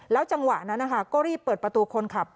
จังหวะนั้นนะคะก็รีบเปิดประตูคนขับ